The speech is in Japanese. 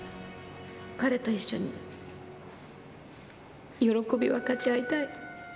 彼と一緒に喜びを分かち合いたい。